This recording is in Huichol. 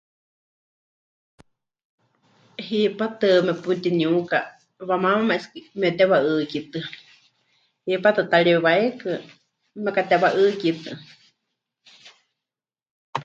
Hipátɨ meputiniuka wamaamáma es que mepɨtewa'ɨ́kitɨa, hipáti ta ri waikɨ, mekatewa'ɨ́kitɨa.